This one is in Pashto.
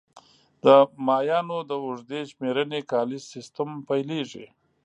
د مایانو د اوږدې شمېرنې کالیز سیستم پیلېږي